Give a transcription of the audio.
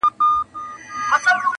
یو مُلا وو یوه ورځ سیند ته لوېدلی؛